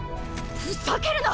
ふざけるな！